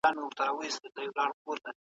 تاسي ولي داسي په بیړه کي سواست؟